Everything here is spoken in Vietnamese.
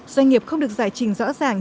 doanh nghiệp không được giải trình rõ ràng